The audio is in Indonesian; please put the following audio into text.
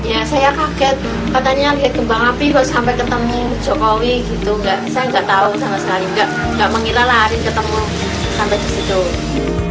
ya saya kaget katanya liat gembang api harus sampai ketemu jokowi gitu saya gak tau sama sekali gak mengira lah arinka ketemu sampai ke situ